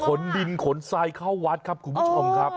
ขนดินขนทรายเข้าวัดครับคุณผู้ชมครับ